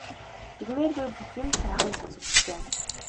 Итгэмээргүй бүх юм сайхан сонсогдож байна.